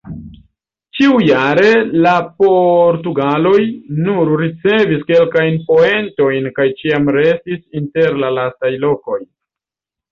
Ĉiujare la portugaloj nur ricevis kelkajn poentojn kaj ĉiam restis inter la lastaj lokoj.